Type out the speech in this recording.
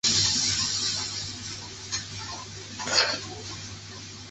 道雪重整休松的友军后往西南转进筑后山隈城撤退。